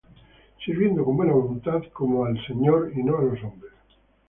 Sirviendo con buena voluntad, como al Señor, y no á los hombres;